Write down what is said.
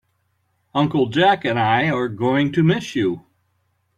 Uncle Jack and I are going to miss you.